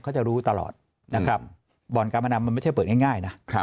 เขาจะรู้ตลอดนะครับบ่อนการพนันมันไม่ใช่เปิดง่ายนะ